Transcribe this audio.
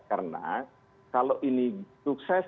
karena kalau ini sukses tentu saja